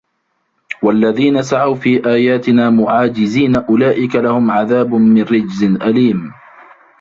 وَالَّذِينَ سَعَوْا فِي آيَاتِنَا مُعَاجِزِينَ أُولَئِكَ لَهُمْ عَذَابٌ مِنْ رِجْزٍ أَلِيمٌ